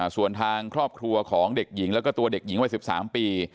ส่วนทางครอบครัวของเด็กหญิงแล้วก็ตัวเด็กหญิงวัย๑๓ปี